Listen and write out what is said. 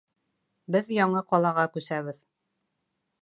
Беҙ яңы ҡалаға күсәбеҙ.